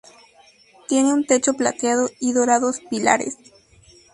Tiene un techo plateado y dorados pilares.